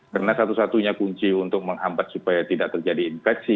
karena satu satunya kunci untuk menghampat supaya tidak terjadi infeksi